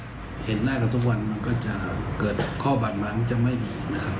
อยู่ด้วยกันเนี่ยเห็นหน้ากับทุกวันมันก็จะเกิดข้อบาดมั้งจะไม่ดีนะครับ